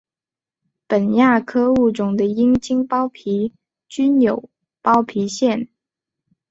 本亚科物种的阴茎包皮均有包皮腺。